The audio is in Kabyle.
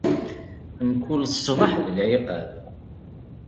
Mkul ṣṣbeḥ, d lɛiqab.